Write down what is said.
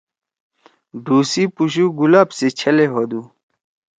ڈھوں سی پُشُو گلاب سی چھلے ہودُو۔